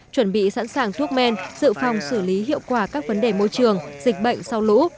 chuẩn bị sẵn sàng thuốc men sự phòng xử lý hiệu quả các vấn đề môi trường dịch bệnh sau lũ